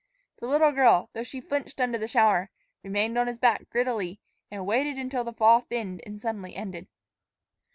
The little girl, though she flinched under the shower, remained on his back grittily and waited until the fall thinned and suddenly ended.